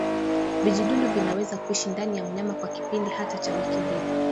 Vijidudu vinaweza kuishi ndani ya mnyama kwa kipindi hata cha wiki mbili